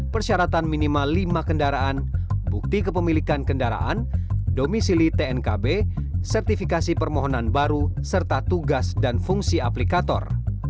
persyaratan minimal lima kendaraan bukti kepemilikan kendaraan domisili tnkb sertifikasi permohonan baru serta tugas dan fungsi aplikator